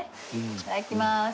いただきます。